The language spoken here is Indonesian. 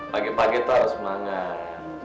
pake pake tuh harus semangat